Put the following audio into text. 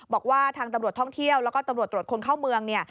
บอกว่าทางตำรวจท่องเที่ยวแล้วก็ตำรวจตรวจคนเข้าเมืองเนี่ย